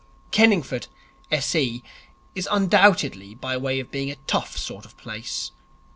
Kenningford, S.E., is undoubtedly by way of being a tough sort of place.